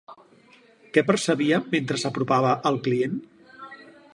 Què percebia mentre s'apropava al client?